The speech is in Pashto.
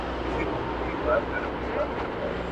ژوندون نوم د حرکت دی هره ورځ چي سبا کیږي ..